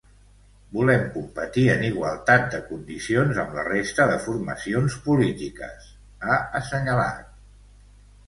Volem competir en igualtat de condicions amb la resta de formacions polítiques, ha assenyalat.